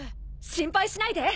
心配しないで。